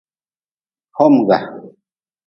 Homga.